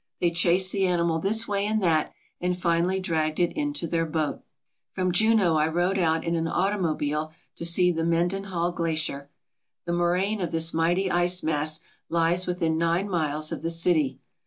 They chased the animal this way and that, and finally dragged it into their boat. From Juneau I rode out in an automobile to see the Mendenhall Glacier. The moraine of this mighty ice mass lies within nine miles of the city.